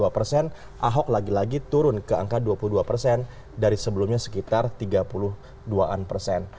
dua puluh dua persen ahok lagi lagi turun ke angka dua puluh dua persen dari sebelumnya sekitar tiga puluh dua an persen